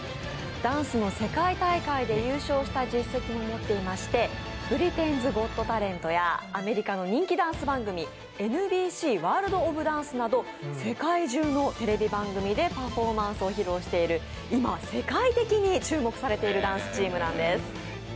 ダンスの世界大会で優勝した実績を持っていまして「ブリテンズ・ゴット・タレント」やアメリカの人気ダンス番組、「ＮＢＣＷＯＲＬＤＯＦＤＡＮＣＥ」など世界中のテレビ番組でパフォーマンスを披露している、世界的に注目されているダンスチームなんです。